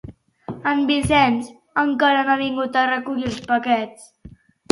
En Vicenç encara no ha vingut a recollir els paquets